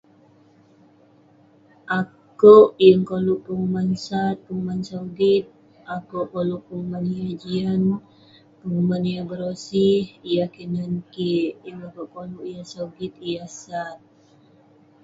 Akouk..yeng koluk..penguman sat, penguman sogit, akouk koluk penguman yah jian, penguman yah berosi yah kinan kik..yeng akouk koluk yah sogit, yah sat..